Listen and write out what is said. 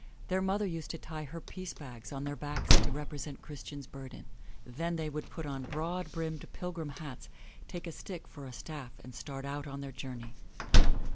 Their mother used to tie her piece bags on their backs to represent Christian's burden. Then they would put on broad brimmed, pilgrim hats, take a stick for a staff and start out on their journey.